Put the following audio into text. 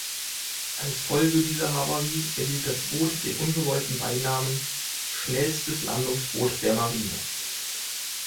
Als Folge dieser Havarie erhielt das Boot den ungewollten Beinamen „Schnellstes Landungsboot der Marine“.